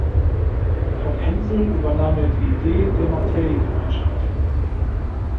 Von Haensel übernahm er die Idee der Matthäi-Gemeinschaft.